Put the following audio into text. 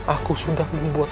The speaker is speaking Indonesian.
aku sudah membuat